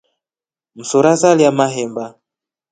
Msora salya mahemba.